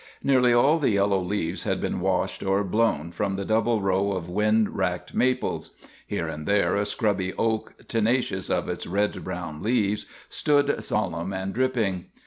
Nearly all the yellow leaves had been washed or blown from the double row of wind wracked maples ; here and there a scrubby oak, tenacious of its red brown leaves, stood solemn and dripping.